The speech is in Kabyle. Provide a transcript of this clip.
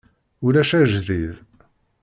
Ulac ajdid.